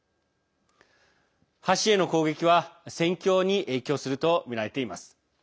橋への攻撃は戦況に影響するとみられています。